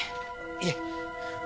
いえ。